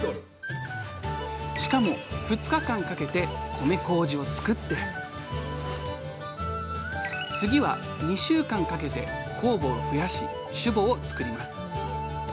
しかも２日間かけて米こうじをつくって次は２週間かけて酵母を増やし「酒母」をつくります。